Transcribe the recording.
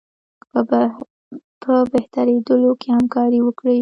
په بهترېدلو کې همکاري وکړي.